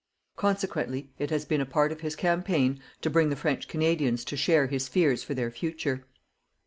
Consequently, it has been a part of his campaign to bring the French Canadians to share his fears for their future.